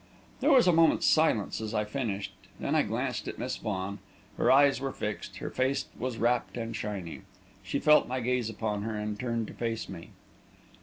There was a moment's silence as I finished; then I glanced at Miss Vaughan. Her eyes were fixed; her face was rapt and shining. She felt my gaze upon her, and turned to face me.